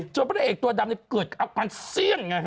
เจ้าพระเอกตัวดำเนี่ยเกิดเอาความเสี้ยง